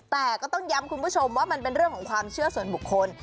แต่ก็ต้องย้ำคุณผู้ชมว่ามันเป็นเรื่องของความเชื่อส่วนบุคคล